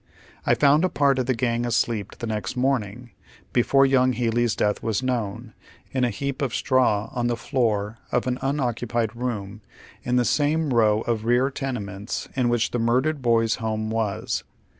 I found a part of the gang asleep the next morning, before young Healey's death was known, in a heap of straw on the floor of an unoccupied room in the same row of rear tenements in which the murdered boy's home was.